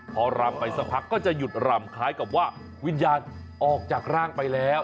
พอรำไปสักพักก็จะหยุดรำคล้ายกับว่าวิญญาณออกจากร่างไปแล้ว